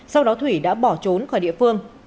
sau đó thủy đã bỏ trốn khỏi địa phương